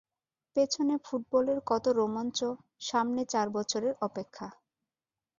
পেছনে ফুটবলের কত রোমাঞ্চ, সামনে চার বছরের অপেক্ষা।